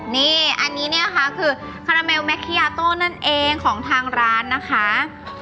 นี่อันนี้คือคาราเมลแมคเคียโต้นั่นเองของทางร้านนะคะ